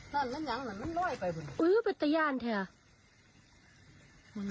มันกระจายออกแล้วน่ะ